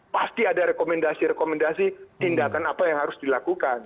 pasti ada rekomendasi rekomendasi tindakan apa yang harus dilakukan